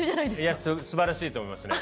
いやすばらしいと思いますね。